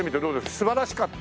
「素晴らしかった」